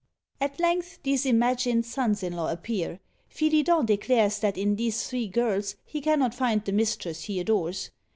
At length these imagined sons in law appear; Filidan declares that in these three girls he cannot find the mistress he adores.